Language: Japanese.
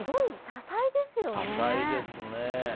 多才ですよね。